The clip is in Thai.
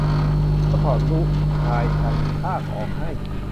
ก็ถอดรูปกายคันคากออกให้